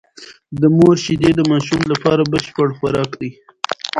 ازادي راډیو د کلتور په اړه د چانسونو او ننګونو په اړه بحث کړی.